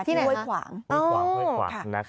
ที่ไหนครับที่ห้วยขวางนะคะอ๋อ